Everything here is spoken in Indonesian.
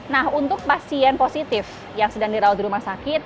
nah untuk pasien positif yang sedang dirawat di rumah sakit